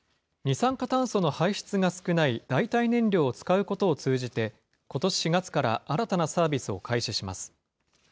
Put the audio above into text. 二酸化炭素の排出が少ない代替燃料を使うことを通じて、ことし４月から新たなサービスを開始します。